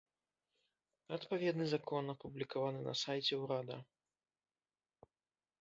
Адпаведны закон апублікаваны на сайце ўрада.